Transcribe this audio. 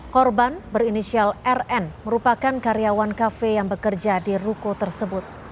korban berinisial rn merupakan karyawan kafe yang bekerja di ruko tersebut